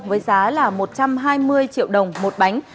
với giá là một trăm hai mươi triệu đồng một bánh